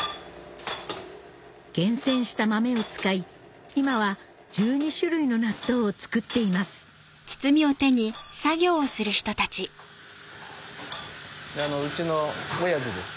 厳選した豆を使い今は１２種類の納豆を作っていますうちのおやじです。